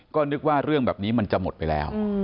ก็นึกว่าเรื่องแบบนี้มันจะหมดไปแล้ว